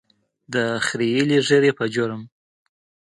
د خرییلې ږیرې په جرم.